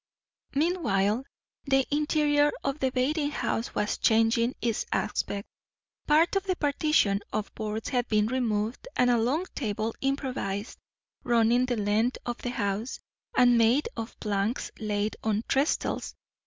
Meanwhile the interior of the bathing house was changing its aspect. Part of the partition of boards had been removed and a long table improvised, running the length of the house, and made of planks laid on trestles.